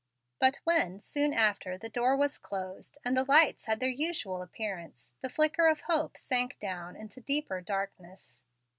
But when, soon after, the door was closed, and the lights had their usual appearance, the flicker of hope sank down into a deeper darkness.